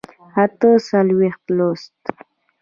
اته څلوېښتم لوست